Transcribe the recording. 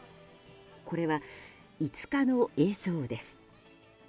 これは５日の映像です。